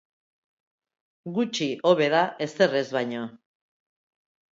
Gutxi hobe da ezer ez baino.